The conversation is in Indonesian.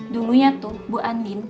dulunya tuh bu andin